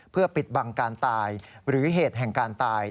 เพื่อปิดบังการตายหรือเหตุแห่งการตาย